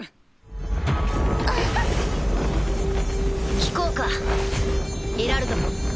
聞こうかエラルド。